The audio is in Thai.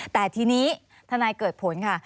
แต่ทีนี้ทนายเกิดผลค่ะ